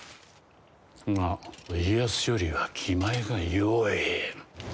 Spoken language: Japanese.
が家康よりは気前がよい。